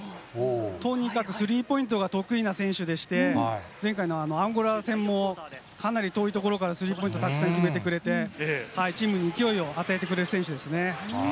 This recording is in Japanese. とにかくスリーポイントが得意な選手でして、前回のアンゴラ戦もかなり遠い所からスリーポイントたくさん決めてくれて、チームに勢いを与えてくれる選手ですね。